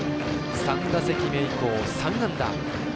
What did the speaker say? ３打席目以降、３安打。